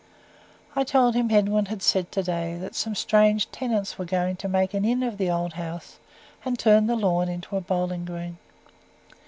I told him Edwin had said to day that some strange tenants were going to make an inn of the old house, and turn the lawn into a bowling green.